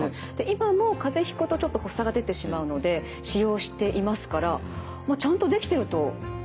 今も風邪ひくとちょっと発作が出てしまうので使用していますからちゃんとできてると思ってます。